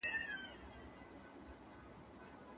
که يو د بل د حيثيت ساتنه وکړئ، نو د صميميت ژوند به ولرئ